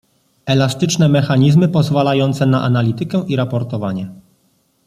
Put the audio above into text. Elastyczne mechanizmy pozwalające na analitykę i raportowanie